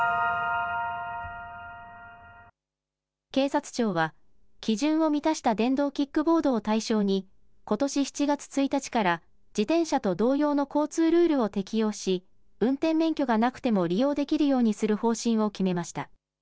警察庁は基準を満たした電動キックボードを対象にことし７月１日から自転車と同様の交通ルールを適用し運転免許がなくても利用できるようにする方針を決めました。